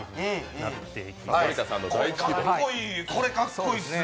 これかっこいいですね。